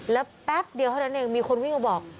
แล้วแป๊บเดียวเท่านั้นเองมีคนวิ่งมาบอก